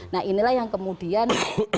nah inilah yang kemudian